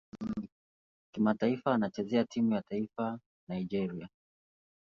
Kimataifa anachezea timu ya taifa Nigeria.